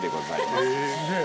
すげえ！